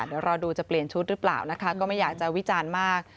เดี๋ยวรอดูจะเปลี่ยนชุดหรือเปล่านะคะก็ไม่อยากจะวิจารณ์มาก